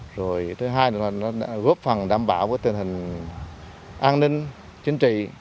rồi thứ hai là góp phần đảm bảo tình hình an ninh chính trị